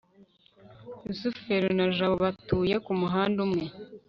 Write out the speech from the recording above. rusufero na jabo batuye kumuhanda umwe